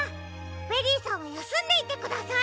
ベリーさんはやすんでいてください。